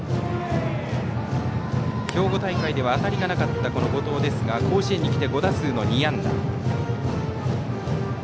兵庫大会では当たりのなかった後藤ですが甲子園にきて５打数の２安打。